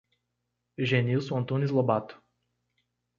Genilson Antunes Lobato